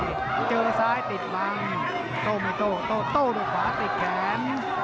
อินทราชัยเจอซ้ายติดบางโต้ไม่โต้โต้โต้ด้วยขวาติดแขน